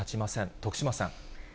徳島さん。